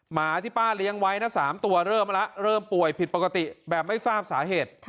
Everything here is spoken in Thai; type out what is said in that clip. หมาที่ป้าเลี้ยงไว้นะ๓ตัวเริ่มแล้วเริ่มป่วยผิดปกติแบบไม่ทราบสาเหตุ